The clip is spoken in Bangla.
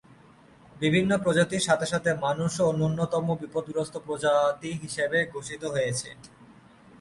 বিভিন্ন প্রজাতির সাথে সাথে মানুষও ন্যূনতম বিপদগ্রস্ত প্রজাতি হিসেবে ঘোষিত হয়েছে।